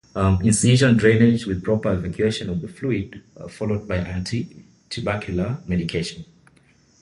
Incision drainage with proper evacuation of the fluid followed by anti-tubercular medication.